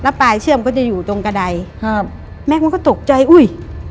ปลายเชื่อมก็จะอยู่ตรงกระดายครับแม่คุณก็ตกใจอุ้ย